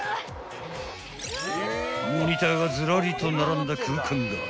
［モニターがずらりと並んだ空間が］